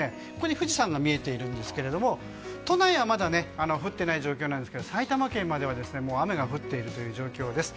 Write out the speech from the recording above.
富士山が見えているんですけども都内はまだ降っていない状況ですが埼玉県までは雨が降っている状況です。